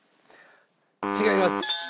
違います。